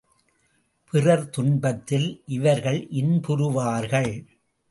பிறர் துன்பத்தில் இவர்கள் இன்புறுவார்கள்.